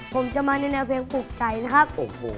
ผมจะมาในแนวเพลงปลูกไก่นะครับ